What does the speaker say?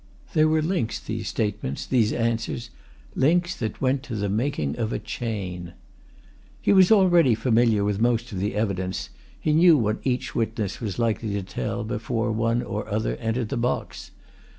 They were links, these statements, these answers; links that went to the making of a chain. He was already familiar with most of the evidence: he knew what each witness was likely to tell before one or other entered the box.